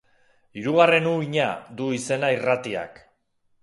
Hirugarren Uhina du izena irratiak.